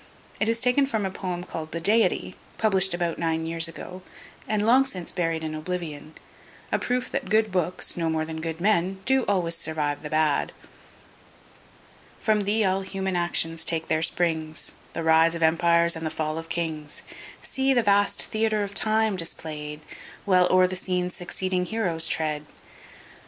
It is taken from a poem called the Deity, published about nine years ago, and long since buried in oblivion; a proof that good books, no more than good men, do always survive the bad. From Thee[*] all human actions take their springs, The rise of empires and the fall of kings! See the vast Theatre of Time display'd, While o'er the scene succeeding heroes tread!